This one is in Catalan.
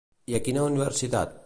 I a quina universitat?